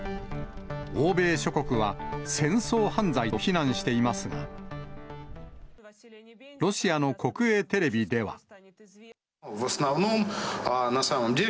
欧米諸国は戦争犯罪と非難していますが、ロシアの国営テレビでは。